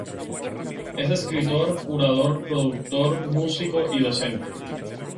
Es escritor, curador, productor, músico y docente.